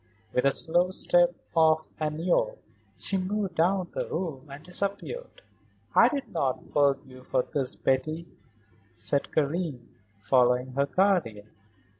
With the slow step of a Niobe she moved down the room and disappeared. "I do not forgive you for this, Betty," said Karen, following her guardian.